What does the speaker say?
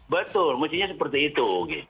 betul mestinya seperti itu